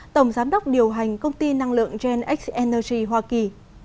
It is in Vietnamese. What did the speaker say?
tổng giám đốc điều hành công ty năng lượng genx energy hoa kỳ